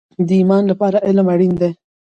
د ایمان لپاره علم اړین دی